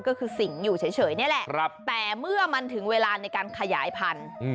ก็คือสิ่งอยู่เฉยนี่แหละแต่เมื่อมันถึงเวลาในการขยายพันธุ์